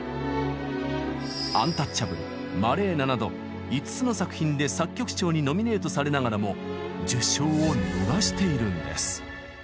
「アンタッチャブル」「マレーナ」など５つの作品で作曲賞にノミネートされながらも受賞を逃しているんです。